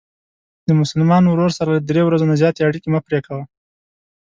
د مسلمان ورور سره له درې ورځو نه زیاتې اړیکې مه پری کوه.